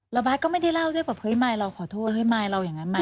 แล้วบาทก็ไม่ได้เล่าด้วยแบบเฮ้ยมายเราขอโทษเฮ้ยมายเราอย่างนั้นมา